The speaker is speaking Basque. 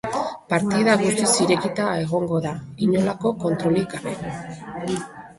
Partida guztiz irekita egon da, inolako kontrolik gabe.